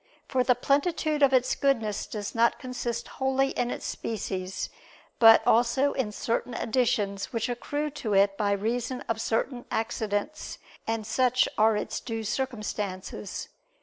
For the plenitude of its goodness does not consist wholly in its species, but also in certain additions which accrue to it by reason of certain accidents: and such are its due circumstances.